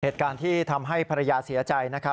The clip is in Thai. เหตุการณ์ที่ทำให้ภรรยาเสียใจนะครับ